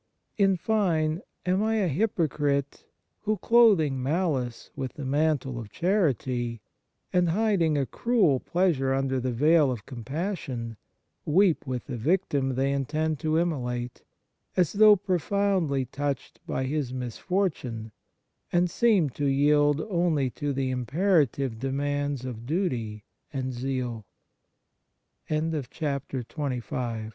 In fine, am I a hypocrite who, clothing malice with the mantle of chanty, and hiding a cruel pleasure under the veil of compassion, weep with the victim they intend to immolate, as though profoundly touched by his misfortune, and seem to yield only to the imperative demands of duty a